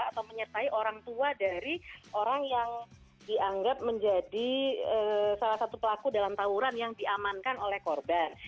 atau menyertai orang tua dari orang yang dianggap menjadi salah satu pelaku dalam tawuran yang diamankan oleh korban